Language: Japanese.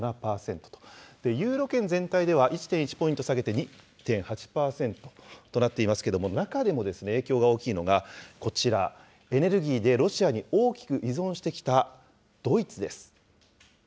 ユーロ圏全体では１．１ポイント下げて、２．８％となっていますけれども、中でも影響が大きいのが、こちら、エネルギーでロシアに大きく依存してきたドイツです。